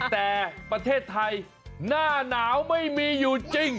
แต่ประเทศไทยหน้าหนาวไม่มีอยู่จริง